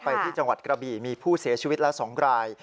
ไปที่จังหวัดกระบี่มีผู้เสียชีวิตละ๒ราย